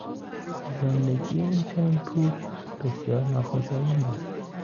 زندگی این چنین پوچ بسیار ناخوشایند است.